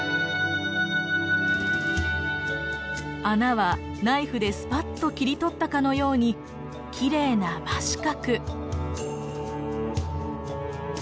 穴はナイフでスパッと切り取ったかのようにきれいな真四角。